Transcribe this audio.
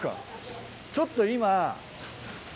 ちょっと今。